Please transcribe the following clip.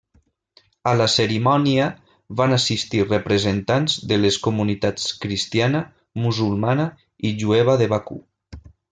A la cerimònia van assistir representants de les comunitats cristiana, musulmana i jueva de Bakú.